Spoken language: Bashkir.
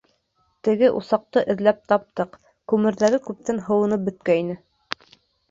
Теге усаҡты эҙләп таптыҡ, күмерҙәре күптән һыуынып бөткәйне.